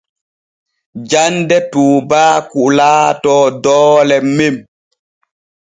Jande tuubaaku laato doole men.